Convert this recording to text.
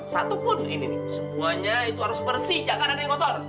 satupun ini nih semuanya itu harus bersih jangan ada yang kotor